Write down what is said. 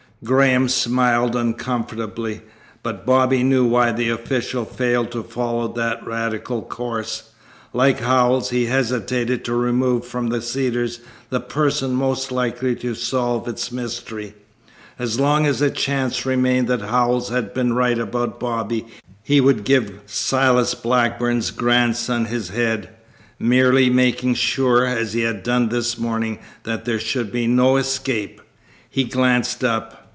Graham smiled uncomfortably, but Bobby knew why the official failed to follow that radical course. Like Howells, he hesitated to remove from the Cedars the person most likely to solve its mystery. As long as a chance remained that Howells had been right about Bobby he would give Silas Blackburn's grandson his head, merely making sure, as he had done this morning, that there should be no escape. He glanced up.